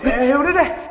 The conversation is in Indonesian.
eh eh yaudah deh